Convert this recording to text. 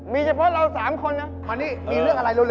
มีเจ้าตัวเรา๓คนเนี่ย